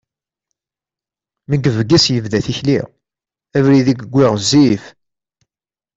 Mi yebges yebda tikli, abrid i yewwi ɣezzif.